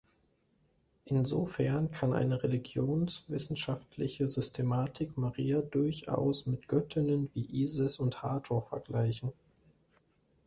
Insofern kann eine religionswissenschaftliche Systematik Maria durchaus mit Göttinnen wie Isis und Hathor vergleichen.